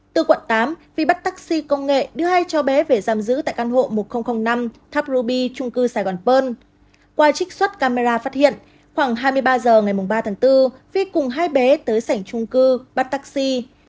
từ quận tám vi bắt taxi công nghệ đưa hai cháu bé về giam giữ tại căn hộ một nghìn năm tháp ruby trung cư sài gòn pơn qua trích xuất camera phát hiện khoảng hai mươi ba h ngày ba tháng bốn vi cùng hai bé tới sảnh trung cư bắt taxi